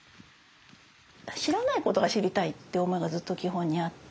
知らないことが知りたいって思いがずっと基本にあって